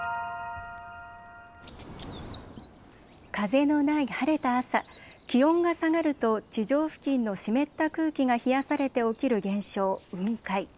風のない晴れた朝、気温が下がると地上付近の湿った空気が冷やされて起きる現象、雲海。